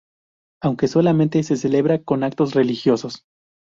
Aunque solamente se celebra con actos religiosos.